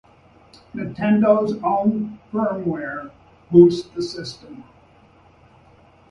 Nintendo's own firmware boots the system.